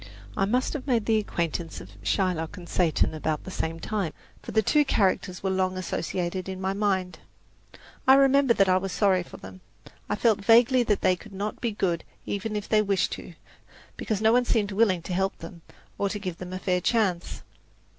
I must have made the acquaintance of Shylock and Satan about the same time, for the two characters were long associated in my mind. I remember that I was sorry for them. I felt vaguely that they could not be good even if they wished to, because no one seemed willing to help them or to give them a fair chance.